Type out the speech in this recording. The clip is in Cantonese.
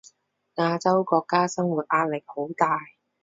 亞洲國家生活壓力好大